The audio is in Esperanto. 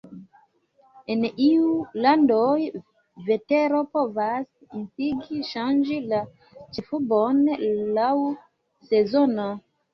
En iu landoj, vetero povas instigi ŝanĝi la ĉefurbon laŭ sezono.